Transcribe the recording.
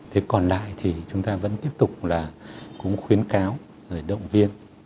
thế còn lại thì chúng ta vẫn tiếp tục là cũng khuyến cáo rồi động viên